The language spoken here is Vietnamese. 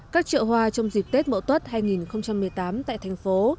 các trợ hoa trong dịp tết mẫu tuất hai nghìn một mươi tám tại thành phố